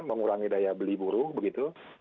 mengurangi daya beli buruh begitu